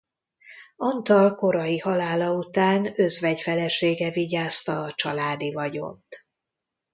Antal korai halála után özvegy felesége vigyázta a családi vagyont.